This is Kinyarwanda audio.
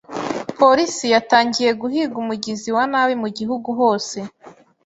Polisi yatangiye guhiga umugizi wa nabi mu gihugu hose.